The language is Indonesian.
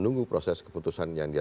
dynamica politik berkaitan dengan pilpres